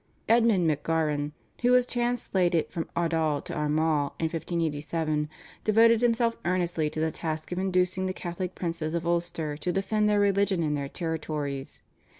Edmund McGauran, who was translated from Ardagh to Armagh in 1587, devoted himself earnestly to the task of inducing the Catholic princes of Ulster to defend their religion and their territories.